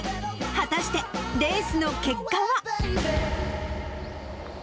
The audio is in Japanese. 果たしてレースの結果は。